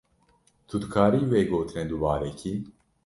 Tu dikarî wê gotinê dubare kî.